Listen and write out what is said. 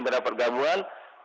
semoga saya mendapatkan gabungan